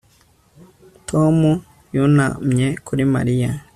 Tom yunamye kuri Mariya